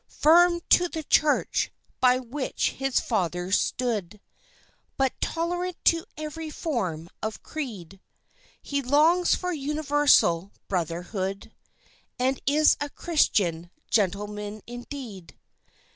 Firm to the Church by which his fathers stood, But tolerant to every form of creed, He longs for universal brotherhood, And is a Christian gentleman indeed.